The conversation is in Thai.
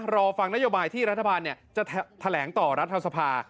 รอฟังนโยบายที่รัฐบาลจะแถลงต่อรัฐสภา